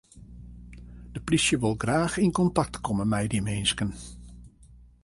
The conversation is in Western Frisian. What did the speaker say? De plysje wol graach yn kontakt komme mei dy minsken.